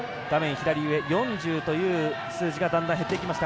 左上４０という数字がだんだん減っていきました。